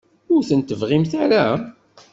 Ur tent-tebɣimt ara?